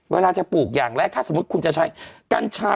เวลาจะปลูกอย่างแรกถ้าสมมุติคุณจะใช้กัญชา